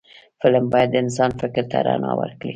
فلم باید د انسان فکر ته رڼا ورکړي